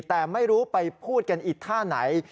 แต่ไม่รู้ไปพูดกันอีกท่าไหน